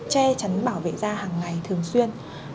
che chắn bảo vệ da hàng ngày thường xuyên